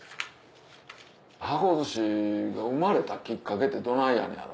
箱寿司が生まれたきっかけってどないやねやろ？